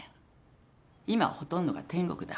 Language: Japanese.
今はほとんどが天国だ。